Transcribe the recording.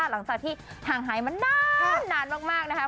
หลังจากที่ห่างหายมานานมากนะคะ